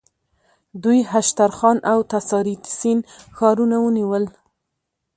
دوی هشترخان او تساریتسین ښارونه ونیول.